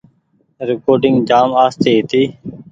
ريڪوڊنگ جآم آستي هيتي۔